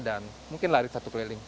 dan mungkin lari satu keliling